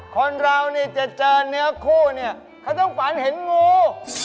คนเรานี่จะเจอเนื้อคู่เนี่ยเขาต้องฝันเห็นงู